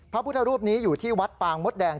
พระพุทธรูปนี้อยู่ที่วัดปางมดแดง